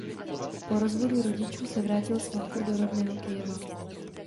Po rozvodu rodičů se vrátil s matkou do rodného Kyjeva.